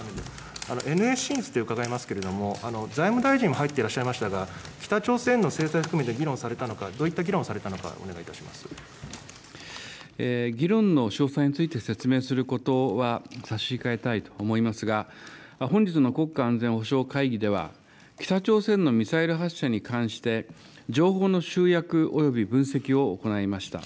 ＮＳＣについて伺いますけれども、財務大臣も入ってらっしゃいましたが、北朝鮮の制裁を含めて議論されたのか、どういった議議論の詳細について説明することは差し控えたいと思いますが、本日の国家安全保障会議では、北朝鮮のミサイル発射に関して情報の集約および分析を行いました。